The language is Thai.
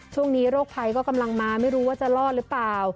โรคภัยก็กำลังมาไม่รู้ว่าจะรอดหรือเปล่า